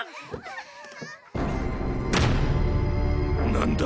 何だ？